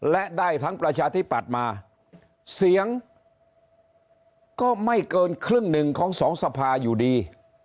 และได้ทั้งประชาธิปัตย์มาเสียงก็ไม่เกินครึ่งหนึ่งของสองสภาอยู่ดี